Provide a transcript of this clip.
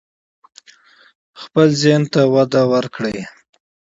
خپل ذهن ته وده ورکړئ.